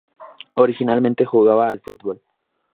Originalmente jugaba al fútbol.